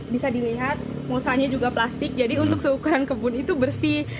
bisa dilihat musanya juga plastik jadi untuk seukuran kebun itu bersih